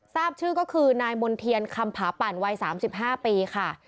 ทราบชื่อก็คือนายมณ์เทียนคำผาปั่นวัย๓๕ปีค่ะ